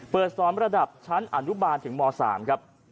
สอนระดับชั้นอนุบาลถึงม๓ครับ